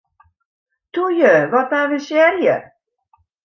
Toe ju, wat avensearje!